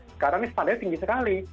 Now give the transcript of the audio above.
sekarang ini standarnya tinggi sekali